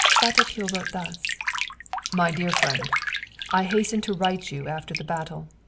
Kvatopil wrote thus: "MY DEAR FRIEND, "I hasten to write to you after the battle.